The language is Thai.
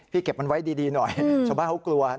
เก็บมันไว้ดีหน่อยชาวบ้านเขากลัว